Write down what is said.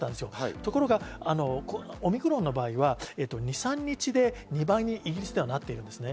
ところがオミクロンの場合は２３日で２倍に、イギリスではなっている。